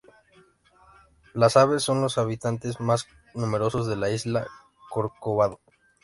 Las aves son los habitantes más numerosos de la isla Corcovado.